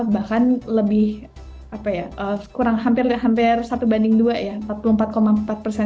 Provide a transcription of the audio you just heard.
bahkan lebih kurang hampir satu banding dua ya